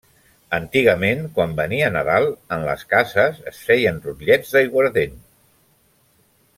Antigament, quan venia Nadal, en les cases es feen rotllets d’aiguardent.